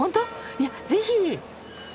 いやぜひ！